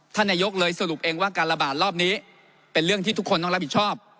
นายกเลยสรุปเองว่าการระบาดรอบนี้เป็นเรื่องที่ทุกคนต้องรับผิดชอบ